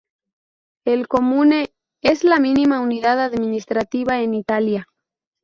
El "Comune" es la mínima unidad administrativa en Italia.